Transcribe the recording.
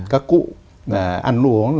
các cụ ăn uống